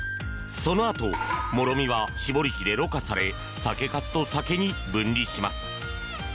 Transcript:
そのあと、もろみは搾り機でろ過され酒かすと酒に分離します。